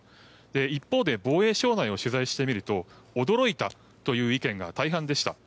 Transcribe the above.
一方で防衛省内を取材してみると驚いたという意見が大半でした。